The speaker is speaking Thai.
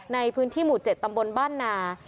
ในพื้นที่หมู่๗ตำบลบ้านนา